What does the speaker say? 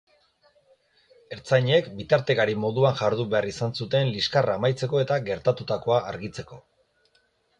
Ertzainek bitartekari moduan jardun behar izan zuten liskarra amaitzeko eta geratutakoa argitzeko.